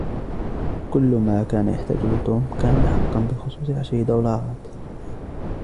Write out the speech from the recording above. كل ما كان يحتاجه توم كان حقاً بخصوص عشرة دولارات.